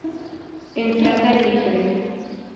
Entrada libre.